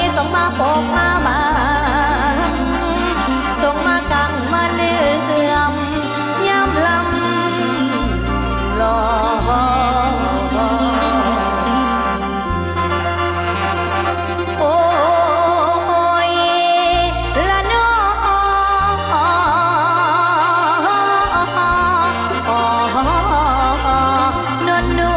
จ้าตอนย้อนจ้าตอนย้อนจ้าตอนย้อนตอนย้อนตอนย้อน